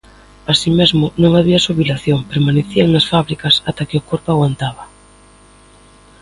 Así mesmo, non había xubilación, permanecían nas fábricas ata que o corpo aguantaba.